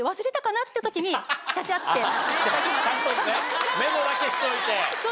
ちゃんとメモだけしといて。